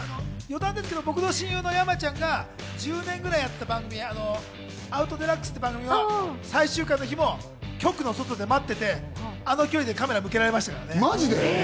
僕の親友の山ちゃんが１０年ぐらいやってた番組、『アウトデラックス』っていう番組は最終回の日も局の外で待ってて、あの距離でカメラ向けられましたからね。